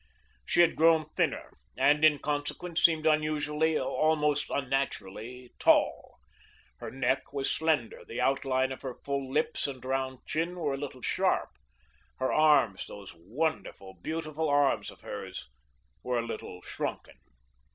She had grown thinner and, in consequence, seemed unusually, almost unnaturally tall. Her neck was slender, the outline of her full lips and round chin was a little sharp; her arms, those wonderful, beautiful arms of hers, were a little shrunken.